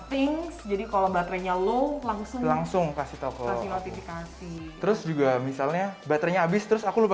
the yellow langsung langsung kasih toko notifikasi terus juga misalnya baterainya abis terus aku lupa